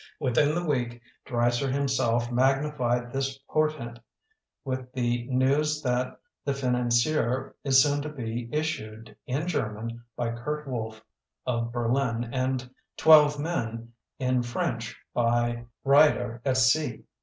Within the week Dreiser himself magnified this portent with the news that "The Financier" is soon to be is sued in German by Kurt Wolff of Ber lin and "Twelve Men" in French by Rieder et Cie.